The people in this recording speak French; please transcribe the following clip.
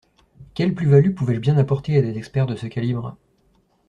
Quelle plus-value pouvais-je bien apporter à des experts de ce calibre?